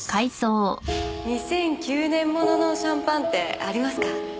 ２００９年物のシャンパンってありますか？